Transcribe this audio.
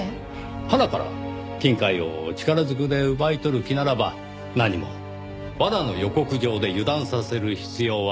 はなから金塊を力ずくで奪い取る気ならばなにも罠の予告状で油断させる必要はない。